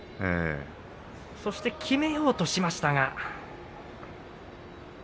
そしてきめようとしましたが。